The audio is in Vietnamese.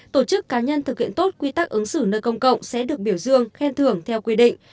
tổ chức cá nhân thực hiện tốt quy tắc ứng xử nơi công cộng sẽ được biểu dương khen thưởng theo quy định